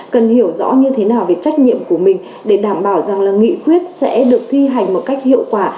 cần hiểu rõ như thế nào về trách nhiệm của mình để đảm bảo rằng là nghị quyết sẽ được thi hành một cách hiệu quả